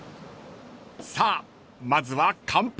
［さあまずは乾杯］